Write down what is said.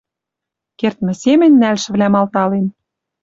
Кердмӹ семӹнь нӓлшӹвлӓм алтален